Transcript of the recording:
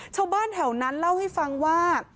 ชาวบ้านแถวนั้นเล่าให้ฟังว่า